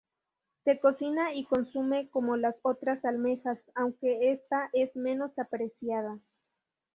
Se cocina y consume como las otras almejas, aunque esta es menos apreciada.